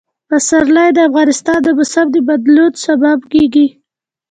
پسرلی د افغانستان د موسم د بدلون سبب کېږي.